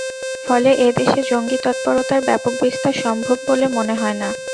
ফলে এ দেশে জঙ্গি তৎপরতার ব্যাপক বিস্তার সম্ভব বলে মনে হয় না।